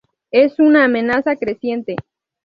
Es una amenaza creciente.